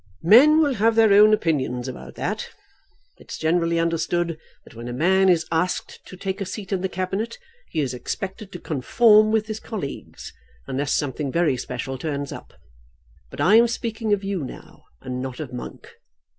"Men will have their own opinions about that. It's generally understood that when a man is asked to take a seat in the Cabinet he is expected to conform with his colleagues, unless something very special turns up. But I am speaking of you now, and not of Monk.